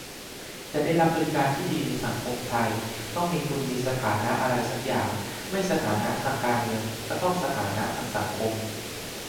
จะได้รับบริการที่ดีในสังคมไทย ต้องมีทุนมีสถานะอะไรซักอย่าง ไม่สถานะทางการเงิน ก็ต้องสถานะทางสังคม